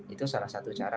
itu salah satu cara